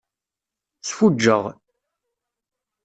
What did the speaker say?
Sfuǧǧeɣ.